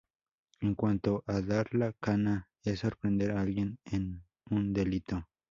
En cuanto a "dar la cana", es sorprender a alguien en un delito.